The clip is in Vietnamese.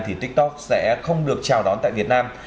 thì tiktok sẽ không được chào đón tại việt nam